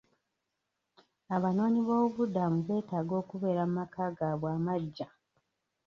Abanoonyi b'obubuddamu beetaaga okubeera mu maka gaabwe amagya.